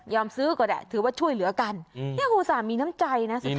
ยอมซื้อก็แหละถือว่าช่วยเหลือกันอืมเนี่ยครูสามีน้ำใจน่ะ